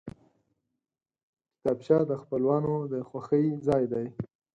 کتابچه د خپلوانو د خوښۍ ځای دی